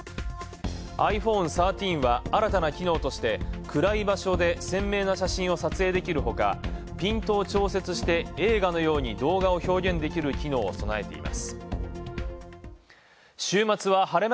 ｉＰｈｏｎｅ１３は新たな機能として暗い場所で鮮明な写真を撮影できるほか、ピントを調節して映画のように動画を表現できる機能を天気予報です。